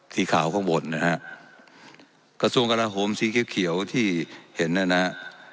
สีขาวข้างบนนะฮะกระทรวงกราโหมสีเขียวเขียวที่เห็นเนี่ยนะฮะ